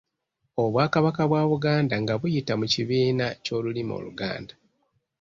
Obwakabaka bwa Buganda nga buyita mu kibiina ky’olulimi Oluganda